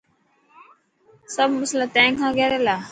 سب مصلا تين کان ڪير يلا.